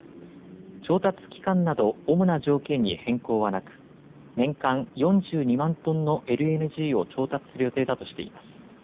調達期間など主な条件に変更はなく年間４２万トンのＬＮＧを調達する予定だとしています。